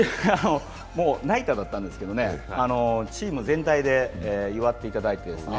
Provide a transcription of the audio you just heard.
ナイターだったんですけどねチーム全体で祝っていただいて。